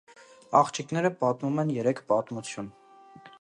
Աղջիկները պատմում են երեք պատմություն։